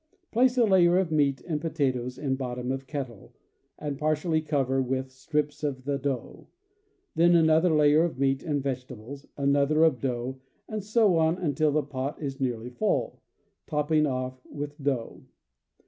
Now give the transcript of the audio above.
Place a layer of meat and potatoes in bottom of kettle, and partially cover with strips of the dough; then another layer of meat and vegetables, another of dough, and so on until the pot is nearly full, topping off with dough.